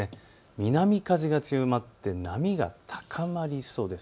南風が強まって波が高まりそうです。